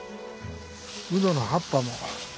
ウドの葉っぱも。